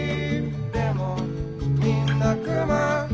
でもみんなくま」